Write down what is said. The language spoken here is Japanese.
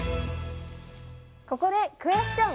ここでクエスチョン！